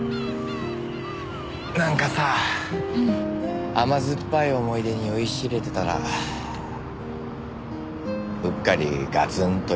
なんかさ甘酸っぱい思い出に酔いしれてたらうっかりガツンとやられちゃった感じ？